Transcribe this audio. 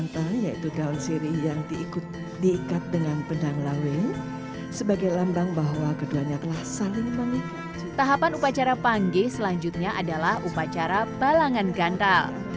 tahapan upacara pangeh selanjutnya adalah upacara balangan gantal